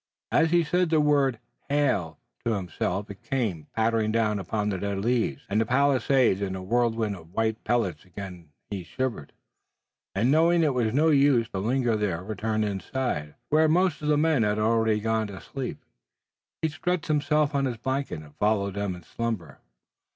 As he said the word "hail" to himself it came, pattering upon the dead leaves and the palisade in a whirlwind of white pellets. Again he shivered, and knowing it was no use to linger there returned inside, where most of the men had already gone to sleep. He stretched himself on his blanket and followed them in slumber.